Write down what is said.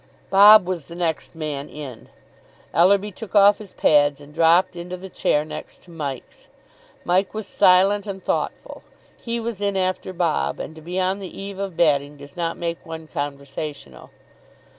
Bob was the next man in. Ellerby took off his pads, and dropped into the chair next to Mike's. Mike was silent and thoughtful. He was in after Bob, and to be on the eve of batting does not make one conversational.